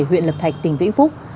huyện lập thạch tỉnh vĩnh phúc